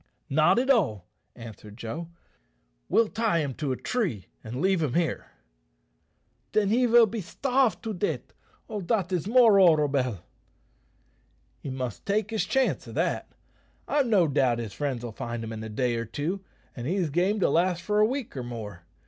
"Not at all," answered Joe; "we'll tie him to a tree and leave him here." "Then he vill be starve to deat'. Oh, dat is more horrobell!" "He must take his chance o' that. I've no doubt his friends'll find him in a day or two, an' he's game to last for a week or more.